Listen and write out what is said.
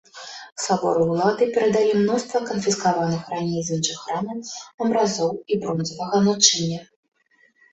Сабору ўлады перадалі мноства канфіскаваных раней з іншых храмаў абразоў і бронзавага начыння.